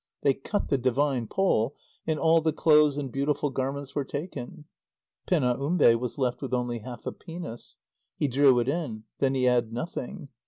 They cut the divine pole, and all the clothes and beautiful garments were taken. Penaumbe was left with only half a penis. He drew it in. Then he had nothing.